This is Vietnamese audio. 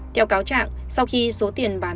theo cáo trạng sau khi số tiền bán được